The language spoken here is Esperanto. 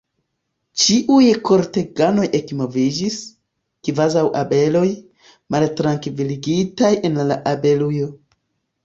Ĉiuj korteganoj ekmoviĝis, kvazaŭ abeloj, maltrankviligitaj en la abelujo.